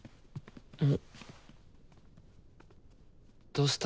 どうした？